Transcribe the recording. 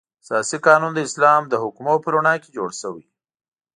اساسي قانون د اسلام د حکمونو په رڼا کې جوړ شوی.